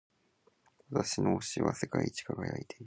私の押しは世界一輝いている。